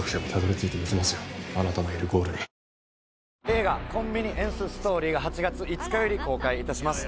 映画『コンビニエンス・ストーリー』が８月５日より公開致します。